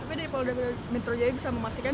tapi dari polda metro jaya bisa memastikan